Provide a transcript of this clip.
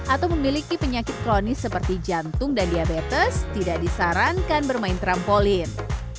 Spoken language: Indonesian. atau memiliki penyakit kronis seperti jantung dan diabetes tidak disarankan bermain trampolin